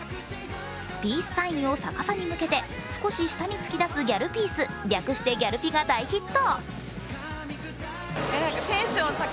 ピースサインを逆さに向けて少し下に突き出すギャルピース略して「ギャルピ」が大ヒット。